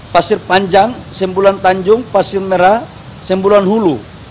pasir panjang sembulan tanjung pasir merah sembulan hulu